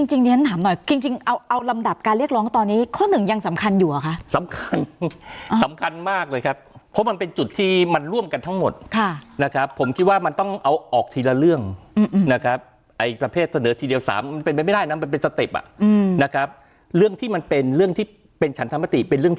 จริงเรียนถามหน่อยจริงเอาลำดับการเรียกร้องตอนนี้ข้อหนึ่งยังสำคัญอยู่เหรอคะสำคัญสำคัญมากเลยครับเพราะมันเป็นจุดที่มันร่วมกันทั้งหมดนะครับผมคิดว่ามันต้องเอาออกทีละเรื่องนะครับไอ้ประเภทเสนอทีเดียว๓มันเป็นไปไม่ได้นะมันเป็นสเต็ปอ่ะนะครับเรื่องที่มันเป็นเรื่องที่เป็นฉันธรรมติเป็นเรื่อง